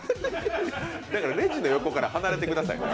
レジの横から離れてください。